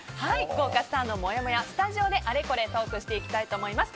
豪華スターのもやもやスタジオであれこれトークしていきたいと思います。